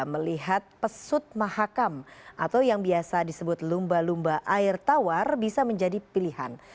melihat pesut mahakam atau yang biasa disebut lumba lumba air tawar bisa menjadi pilihan